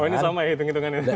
oh ini sama ya hitung hitungannya